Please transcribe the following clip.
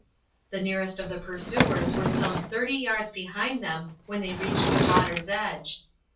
The nearest of the pursuers were some thirty yards behind when they neared the water's edge.